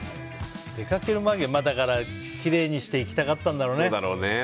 出かける間際、きれいにして行きたかったんだろうね。